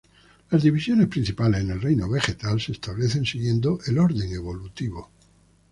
Las divisiones principales en el reino vegetal se establecen siguiendo el orden evolutivo.